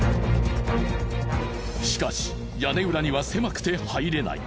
しかし屋根裏には狭くて入れない。